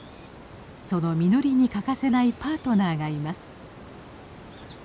その実りに欠かせないパートナーがいます。